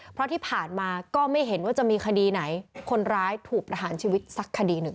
เพราะที่ผ่านมาก็ไม่เห็นว่าจะมีคดีไหนคนร้ายถูกประหารชีวิตสักคดีหนึ่ง